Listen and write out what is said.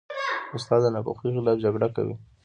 استاد د ناپوهۍ خلاف جګړه کوي.